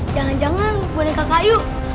jangan jangan boneka kayu